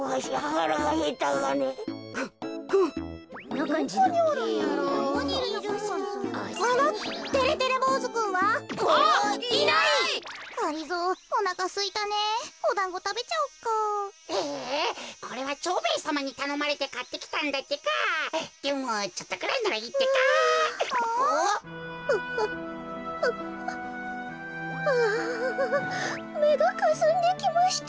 あめがかすんできました。